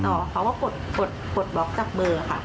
เขาก็กดบล็อกจากเบอร์ค่ะ